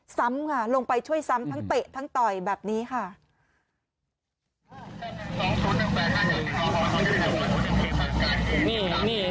ซ้ำค่ะลงไปช่วยซ้ำทั้งเตะทั้งต่อยแบบนี้ค่ะ